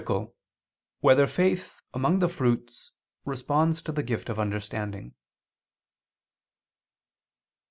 8] Whether Faith, Among the Fruits, Responds to the Gift of Understanding?